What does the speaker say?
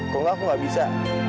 kok gak aku gak bisa